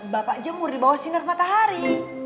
bapak jemur di bawah sinar matahari